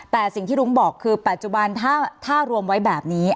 แต่สิ่งที่รุ้งบอกคือปัจจุบันถ้ารวมไว้แบบนี้